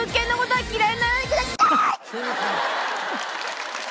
はい。